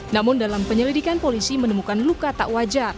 namun dalam penyelidikan polisi menemukan luka tak wajar